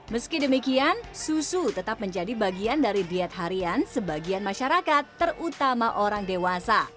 meski demikian susu tetap menjadi bagian dari diet harian sebagian masyarakat terutama orang dewasa